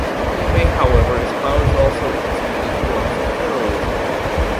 They may, however, espouse also intermediate forms of federalism.